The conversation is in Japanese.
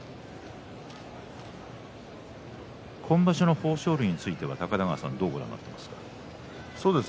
今場所の豊昇龍については高田川さん、どう見てますか。